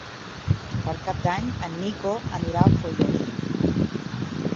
Per Cap d'Any en Nico anirà a Foios.